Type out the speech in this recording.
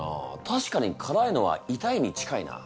たしかに辛いのは痛いに近いな。